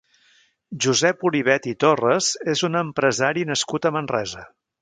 Josep Olivet i Torras és un empresari nascut a Manresa.